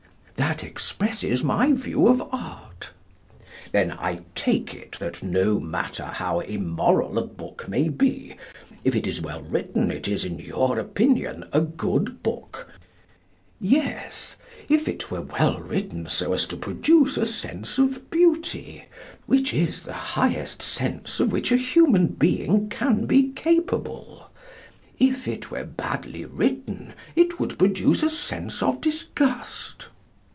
That expresses my view of art. Then, I take it that no matter how immoral a book may be, if it is well written it is, in your opinion, a good book? Yes; if it were well written so as to produce a sense of beauty which is the highest sense of which a human being can be capable. If it were badly written it would produce a sense of disgust.